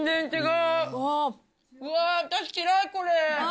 うわー、私、嫌い、これ。